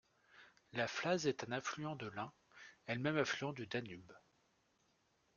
La Flaz est un affluent de l'Inn, elle-même affluent du Danube.